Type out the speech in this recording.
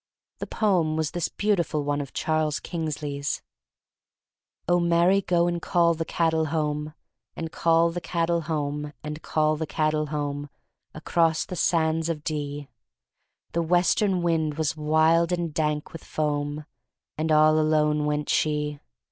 The poem was this beautiful one of Charles Kingsley's: THE STORY OF MARY MAC LANE \^^'* *0h, Mary, go and call the cattle home, And call the cattle home, And call the cattle home, Across the sands of Dee!' The western wind was wild and dank with foam, And all alone went she.